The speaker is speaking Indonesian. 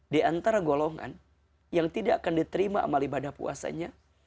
diantara golongan yang tidak akan diterima amal ibadah puasanya